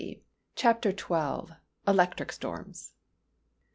CHAPTER XII. ELECTRIC STORMS.